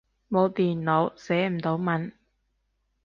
冇電腦，寫唔到文